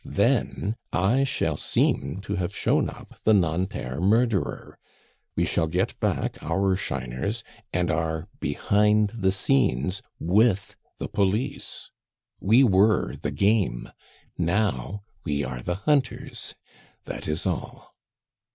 Then I shall seem to have shown up the Nanterre murderer. We shall get back our shiners, and are behind the scenes with the police. We were the game, now we are the hunters that is all.